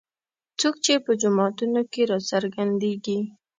څوک چې په جوماتونو کې راڅرګندېږي.